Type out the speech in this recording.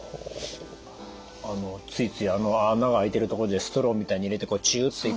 あのついついあの孔があいてるところでストローみたいに入れてチュって。